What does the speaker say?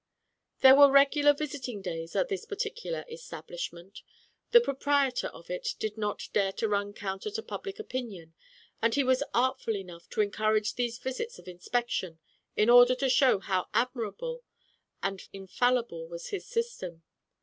There were regular visiting days at this partic ular establishment. The proprietor of it did not dare to run counter to public opinion, and he was artful enough to encourage these visits of inspec tion in order to show how admirable and infallible was his system.